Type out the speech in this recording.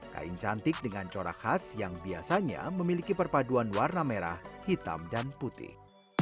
kain cantik dengan corak khas yang biasanya memiliki perpaduan warna merah hitam dan putih